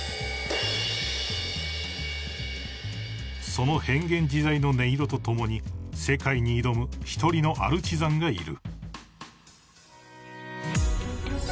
［その変幻自在の音色と共に世界に挑む一人のアルチザンがいる］